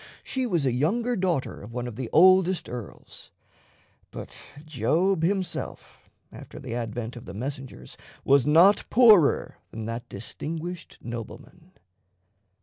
She was a younger daughter of one of the oldest earls; but Job himself, after the advent of the messengers, was not poorer than that distinguished nobleman.